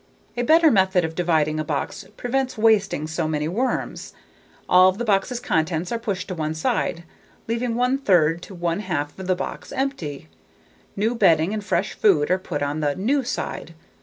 A better method of dividing a box prevents wasting so many worms. All of the box's contents are pushed to one side, leaving one third to one half of the box empty. New bedding and fresh food are put on the "new" side.